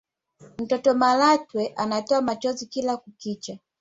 mtoto malatwe anatoa machozi kila kukicha